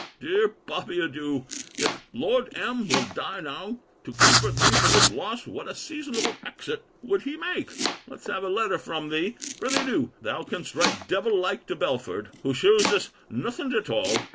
Dear Bobby, adieu. If Lord M. will die now, to comfort thee for this loss, what a seasonable exit would he make! Let's have a letter from thee. Pr'ythee do. Thou can'st write devill like to Belford, who shews us nothing at all.